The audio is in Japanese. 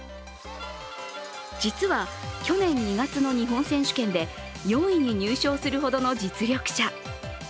実は、去年２月の日本選手権で４位に入賞するほどの実力者。